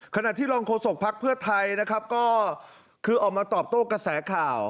ขณะที่รองโฆษกภักดิ์เพื่อไทยนะครับก็คือออกมาตอบโต้กระแสข่าว